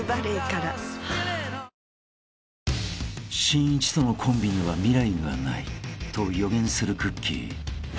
［しんいちとのコンビには未来がないと予言するくっきー！］